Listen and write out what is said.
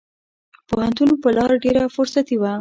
پوهنتون په لار ډېره فرصتي وه.